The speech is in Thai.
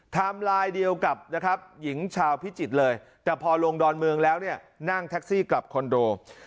ทำลายเดียวกับหญิงชาวพิจิตรเลยแต่พอลงดอนเมืองแล้วนั่งแท็กซี่กลับคอนโด